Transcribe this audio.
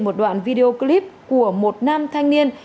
một đoạn video clip của một nam thanh niên